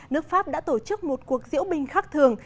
nước pháp đã tổ chức một cuộc diễu binh khắc thường